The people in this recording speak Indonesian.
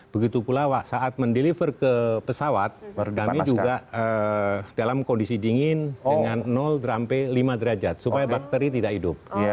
begitu pula saat mendeliver ke pesawat kami juga dalam kondisi dingin dengan sampai lima derajat supaya bakteri tidak hidup